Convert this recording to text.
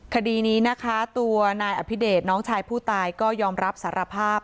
คดีนี้นะคะตัวนายอภิเดชน้องชายผู้ตายก็ยอมรับสารภาพ